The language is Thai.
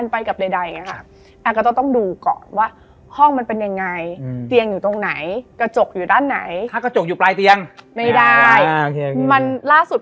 ไปดูไปดูที่รถครับ